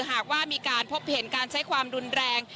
หากว่ามีการพบเห็นการใช้ความรุนแรง